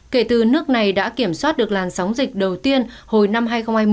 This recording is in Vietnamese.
kể từ nước này đã kiểm soát được làn sóng dịch đầu tiên hồi năm hai nghìn hai mươi